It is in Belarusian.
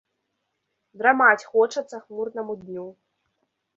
Драмаць хочацца хмурнаму дню.